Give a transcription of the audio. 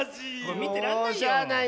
みてらんないよ。